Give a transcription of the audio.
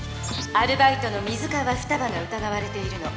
アルバイトの水川ふたばがうたがわれているの。